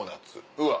うわ。